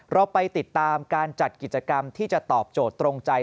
เราไปติดตามการจัดกิจกรรมที่จะตอบโจทย์ตรงใจ